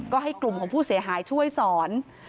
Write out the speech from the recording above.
ก็ให้กลุ่มของผู้เสียหายช่วยสอน